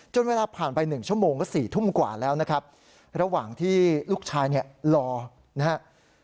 เวลาผ่านไป๑ชั่วโมงก็๔ทุ่มกว่าแล้วนะครับระหว่างที่ลูกชายเนี่ยรอนะครับ